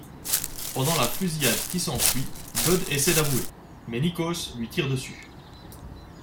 Pendant la fusillade qui s'ensuit, Bud essaie d'avouer, mais Nikkos lui tire dessus.